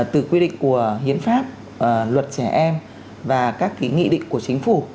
từ quy định của hiến pháp luật trẻ em và các nghị định của chính phủ